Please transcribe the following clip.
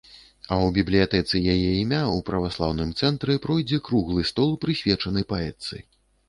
А ў бібліятэцы яе імя ў праваслаўным цэнтры пройдзе круглы стол, прысвечаны паэтцы.